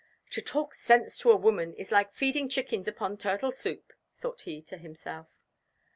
"To talk sense to a woman is like feeding chickens upon turtle soup," thought he to himself.